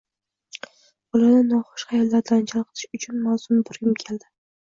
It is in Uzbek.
Bolani noxush xayollardan chalg`itish uchun mavzuni burgim keldi